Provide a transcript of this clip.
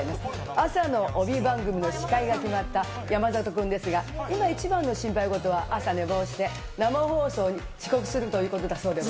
朝の帯番組の司会が決まった山里君ですが、今一番の心配事は朝寝坊して、生放送に遅刻するということだそ